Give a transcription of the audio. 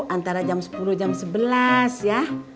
antara jam sepuluh jam sebelas ya